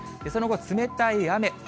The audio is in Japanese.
その後、冷たい雨。